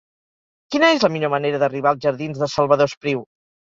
Quina és la millor manera d'arribar als jardins de Salvador Espriu?